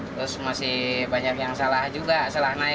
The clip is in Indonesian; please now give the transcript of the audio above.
terus masih banyak yang salah juga salah naik